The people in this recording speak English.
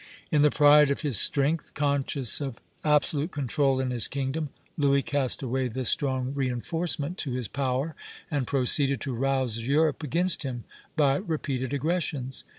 In the pride of his strength, conscious of absolute control in his kingdom, Louis cast away this strong reinforcement to his power, and proceeded to rouse Europe against him by repeated aggressions.